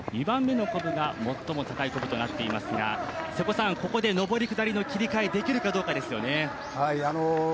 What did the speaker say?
２番目のこぶが最も高いこぶとなっていますがここで上り下りの切り替えできるかどうかですね。